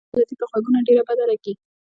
د قافیې غلطي پر غوږونو ډېره بده لګي.